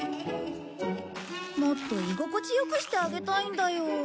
もっと居心地よくしてあげたいんだよ。